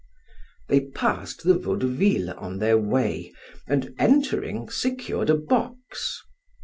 They passed the Vaudeville on their way arid, entering, secured a box.